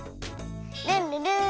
ルンルルーン。